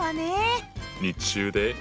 日中で。